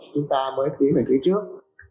chúng ta mới tiến về phía trước